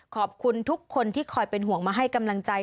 ขอบคุณทุกคนที่คอยเป็นห่วงมาให้กำลังใจ